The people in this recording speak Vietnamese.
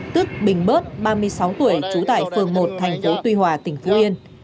tức bình bớt ba mươi sáu tuổi trú tại phường một thành phố tuy hòa tỉnh phú yên